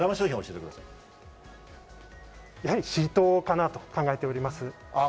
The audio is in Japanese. やはりシートかなと考えております。